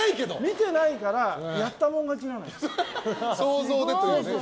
見てないからやったもん勝ちなのよ。